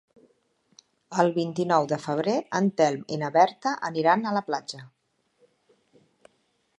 El vint-i-nou de febrer en Telm i na Berta aniran a la platja.